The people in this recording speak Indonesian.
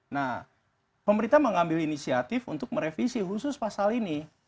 nah pemerintah mengambil inisiatif untuk merevisi khusus pasal ini